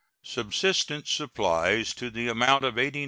Subsistence supplies to the amount of $89,048.